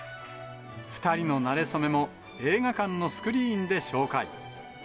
２人のなれそめも、映画館のスクリーンで紹介。